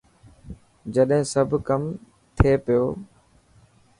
چڏهن سب ڪم ٿي پيو.